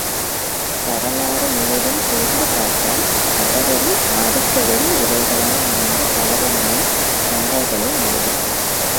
வரலாறு முழுதும் கூர்ந்து பார்த்தால் மதவெறி ஆதிக்க வெறி இவைகளால் நடந்த கலகங்கள், சண்டைகளே மிகுதி.